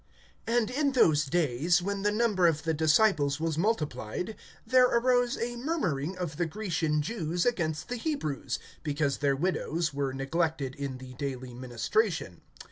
AND in these days, when the number of the disciples was multiplied, there arose a murmuring of the Grecian Jews against the Hebrews, because their widows were neglected in the daily ministration.